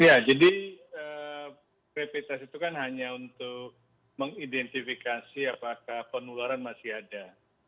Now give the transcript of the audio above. ya jadi rapid test itu kan hanya untuk mengidentifikasi apakah penularan masih ada